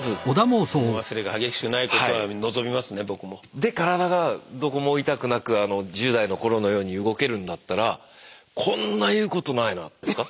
で体がどこも痛くなく１０代の頃のように動けるんだったらこんな言うことないなって。